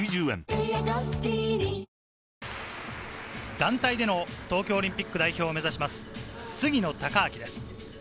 団体での東京オリンピック代表を目指します、杉野正尭です。